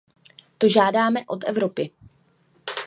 To žádáme od Evropy.